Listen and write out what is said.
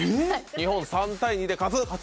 日本３対２で勝つ。